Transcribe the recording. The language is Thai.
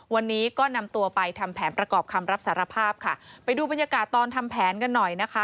วันนี้ก็นำตัวไปทำแผนประกอบคำรับสารภาพค่ะไปดูบรรยากาศตอนทำแผนกันหน่อยนะคะ